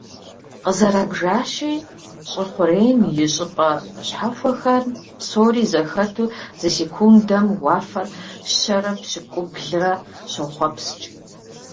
Къызэрабжащи, щӏы хъурейм и щӀыпӀэ щхьэхуэхэм псори зэхэту зы секундым уафэр щэрэ пщӏыукӏублырэ щохъуэпскӀ.